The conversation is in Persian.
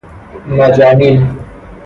مجانین